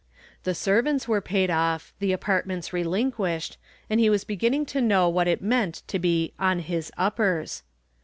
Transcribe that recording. The servants were paid off, the apartments relinquished, and he was beginning to know what it meant to be "on his uppers."